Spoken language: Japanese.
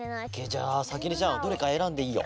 じゃあさきねちゃんどれかえらんでいいよ。